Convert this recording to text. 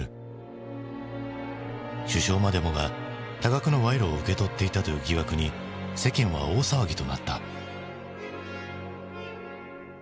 首相までもが多額の賄賂を受け取っていたという疑惑に世間は大騒ぎとなった。